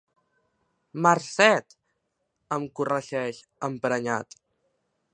Marcet! —em corregeix, emprenyat.